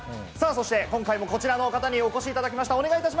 そして今回もこちらの方にお越しいただきました。